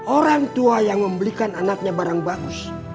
orang tua yang membelikan anaknya barang bagus